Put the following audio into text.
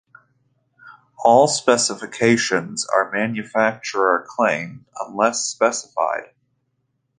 All specifications are manufacturer claimed unless specified.